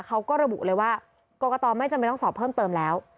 เขาก็ระบุเลยว่ากรกตไม่จำเป็นต้องสอบเพิ่มเติมแล้ว